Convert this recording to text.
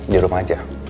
di rumah aja